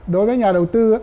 đối với nhà đầu tư